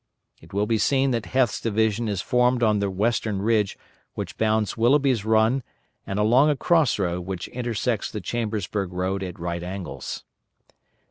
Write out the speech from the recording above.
It will be seen that Heth's division is formed on the western ridge which bounds Willougby's Run and along a cross road which intersects the Chambersburg road at right angles.